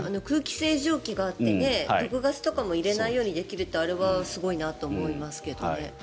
空気清浄機があって毒ガスとかも入れないようにできるってあれはすごいなと思いますけどね。